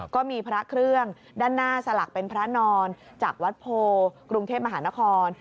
ก็มีพระเครื่องด้านหน้าสลักเป็นพระนอนจากวัดโพกรุงเทพมหานคร